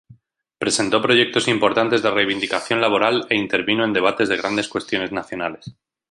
Presentó proyectos importantes de reivindicación laboral e intervino en debates de grandes cuestiones nacionales.